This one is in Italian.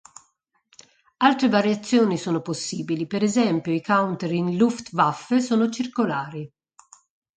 Altre variazioni sono possibili, per esempio i counter in "Luftwaffe" sono circolari.